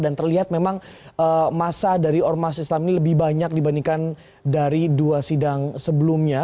dan terlihat memang masa dari ormas islam ini lebih banyak dibandingkan dari dua sidang sebelumnya